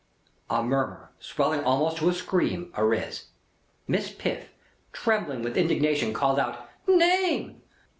A murmur, swelling almost into a scream, ariz. Miss Piff, trembling with indignation, called out: "Name!"